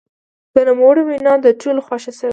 د نوموړي وینا د ټولو خوښه شوه.